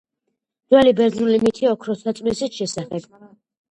ძველი ბერძნული მითი "ოქროს საწმისის" შესახებ